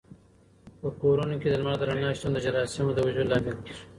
په کورونو کې د لمر د رڼا شتون د جراثیمو د وژلو لامل کېږي.